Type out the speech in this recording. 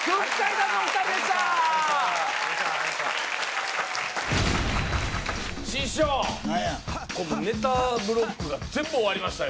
何やネタブロックが全部終わりましたよ